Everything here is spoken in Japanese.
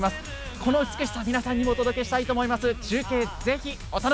この美しさ、皆さんにもお届けしたいと思います。